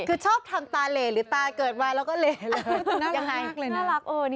คือชอบทำตาเหลหรือตาเกิดมาแล้วก็เหล่เลย